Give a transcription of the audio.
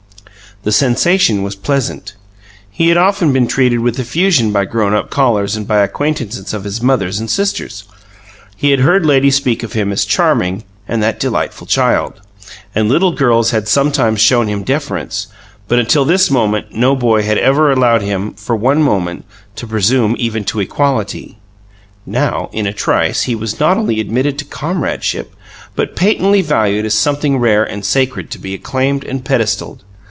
The sensation was pleasant. He had often been treated with effusion by grown up callers and by acquaintances of his mothers and sisters; he had heard ladies speak of him as "charming" and "that delightful child," and little girls had sometimes shown him deference, but until this moment no boy had ever allowed him, for one moment, to presume even to equality. Now, in a trice, he was not only admitted to comradeship, but patently valued as something rare and sacred to be acclaimed and pedestalled.